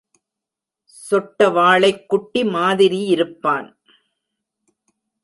சொட்டவாளைக் குட்டி மாதிரியிருப்பான்.